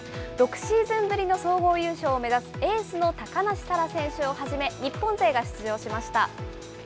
６シーズンぶりの総合優勝を目指すエースの高梨沙羅選手をはじめ、日本勢が出場しました。